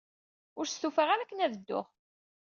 Ur stufaɣ ara akken ad dduɣ.